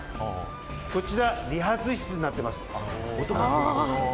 こちら理髪室になっています。